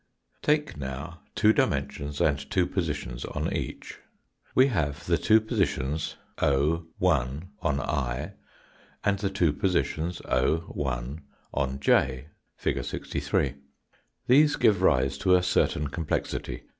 Take now two dimensions and two positions on each. We have the two positions o ; 1 on i, and the two positions o, 1 on j, fig. 63. These give J rise to a certain complexity.